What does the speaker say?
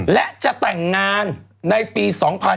และจะแต่งงานในปี๒๕๕๙